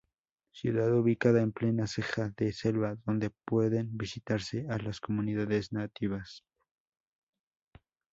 Ciudad ubicada en plena ceja de selva donde pueden visitarse a las comunidades nativas.